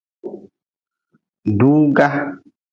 Duuga.